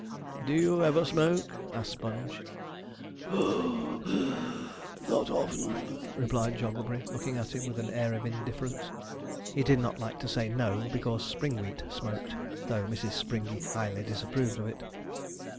'Do you never smoke?' asked Sponge. '(Puff wheeze) Not often,' replied Jogglebury, looking about him with an air of indifference. He did not like to say no, because Springwheat smoked, though Mrs. Springey highly disapproved of it.